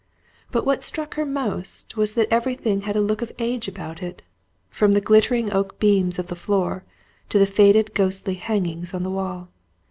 But what struck her most was, that everything had a look of age about it, from the glittering oak beams of the floor to the faded ghostly hangings on the wall.